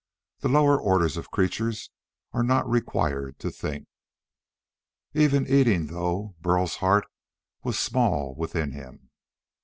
The lower orders of creatures are not required to think. Even eating, though, Burl's heart was small within him.